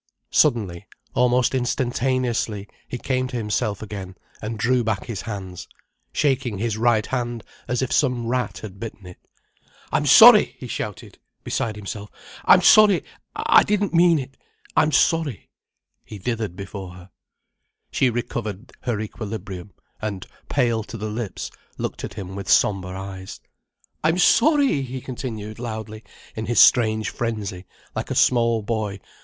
Suddenly, almost instantaneously, he came to himself again and drew back his hands, shaking his right hand as if some rat had bitten it. "I'm sorry!" he shouted, beside himself. "I'm sorry. I didn't mean it. I'm sorry." He dithered before her. She recovered her equilibrium, and, pale to the lips, looked at him with sombre eyes. "I'm sorry!" he continued loudly, in his strange frenzy like a small boy.